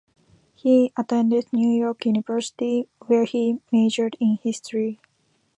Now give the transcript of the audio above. He attended New York University, where he majored in history.